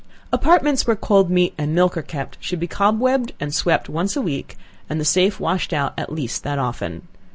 The apartments where cold meat and milk are kept should be cobwebbed and swept once a week, and the safe washed out at least that often.